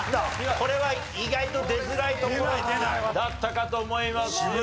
これは意外と出づらいところだったかと思います。